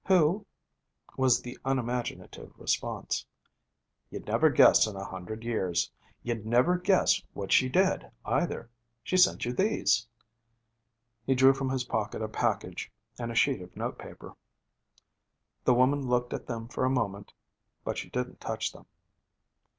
'Who?' was the unimaginative response. 'You'd never guess in a hundred years. You'd never guess what she did, either. She sent you these.' He drew from his pocket a package and a sheet of notepaper. The woman looked at them for a moment, but she didn't touch them.